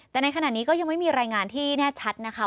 แต่ในขณะนี้ก็ยังไม่มีรายงานที่แน่ชัดนะคะ